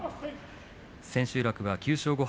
千秋楽は９勝５敗